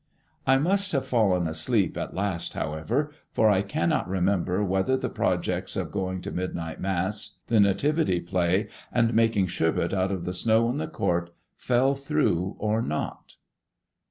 I must have fallen asleep at last, however, for I cannot remember whether the projects of going to midnight Mass, the Nativity play, and making sherbet out of the snow in the court fell through or not.